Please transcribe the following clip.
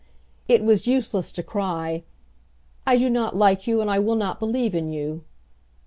It was useless to cry, "I do not like you and I will not believe in you."